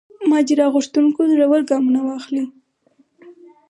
ماجرا غوښتونکو زړه ور ګامونه واخلي.